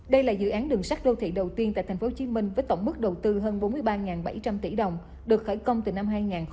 đây là dự án đường sắt đô thị đầu tiên tại tp hcm với tổng mức đầu tư hơn bốn mươi ba bảy trăm linh tỷ đồng được khởi công từ năm hai nghìn một mươi